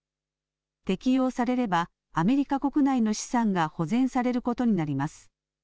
適用されればアメリカ国内の資産が保全されることになります。